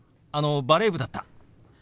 あのバレー部だった。